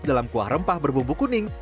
dalam kuah rempah berbumbu kuning